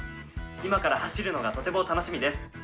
今から走るのがとても楽しみです。